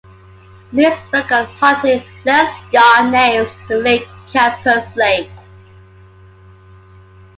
In his book on hunting, Les Yaw names the lake "Camper's Lake".